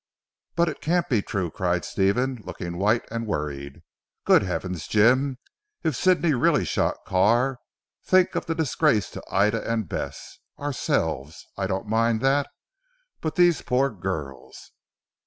"But it can't be true," cried Stephen looking white and worried, "good heaven's Jim, if Sidney really shot Carr, think of the disgrace to Ida and Bess. Ourselves! I don't mind that. But these poor girls."